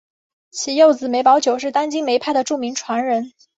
其幼子梅葆玖是当今梅派的著名传人。